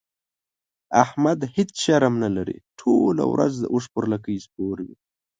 احمد هيڅ شرم نه لري؛ ټوله ورځ د اوښ پر لکۍ سپور وي.